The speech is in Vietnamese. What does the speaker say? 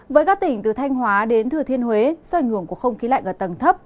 với các tỉnh từ thanh hóa đến thừa thiên huế do ảnh hưởng của không khí lạnh ở tầng thấp